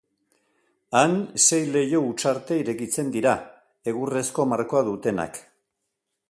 Han sei leiho-hutsarte irekitzen dira, egurrezko markoa dutenak.